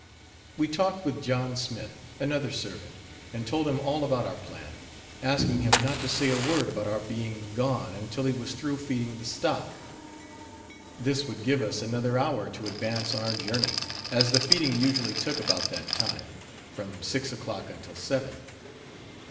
We talked with John Smith, another servant, and told him all about our plan, asking him not to say a word about our being gone until he was through feeding the stock. This would give us another hour to advance on our journey, as the feeding usually took about that time from six o'clock until seven.